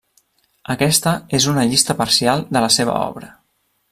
Aquesta és una llista parcial de la seva obra.